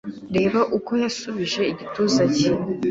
Reba uko yasubije igituza cye